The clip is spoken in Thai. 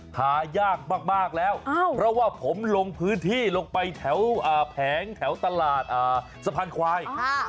หายากมากแล้วเพราะว่าผมลงพื้นที่ลงไปแถวแผงแถวตลาดสะพานควาย